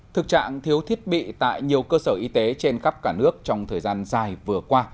thực trạng thiếu thiết bị tại nhiều cơ sở y tế trên khắp cả nước trong thời gian dài vừa qua